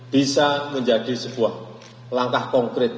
bisa menjadi sebuah langkah konkret